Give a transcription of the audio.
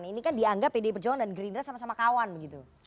ini kan dianggap pdi perjuangan dan gerindra sama sama kawan begitu